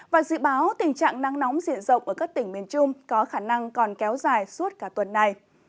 và dự báo tình trạng nắng nóng diện rộng ở các tỉnh miền trung có khả năng còn kéo dài suốt cả tuần này